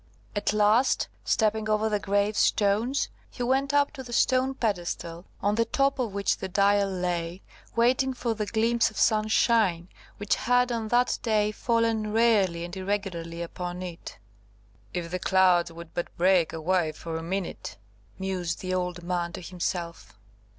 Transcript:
At last, stepping over the grave stones, he went up to the stone pedestal, on the top of which the Dial lay, waiting for the gleams of sunshine which had on that day fallen rarely and irregularly upon it. "If the clouds would but break away for a minute," mused the old man to himself.